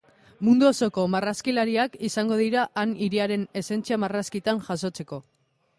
Mundu osoko marrazkilariak izango dira han hiriaren esentzia marrazkitan jasotzeko.